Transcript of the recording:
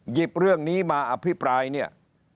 หยิบเรื่องนี้มาอภิปรายเนี่ย